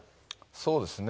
そうですね。